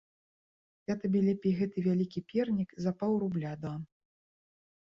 Я табе лепей гэты вялікі пернік за паўрубля дам!